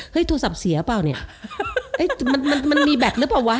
โทรศัพท์เสียเปล่าเนี่ยมันมันมีแบตหรือเปล่าวะ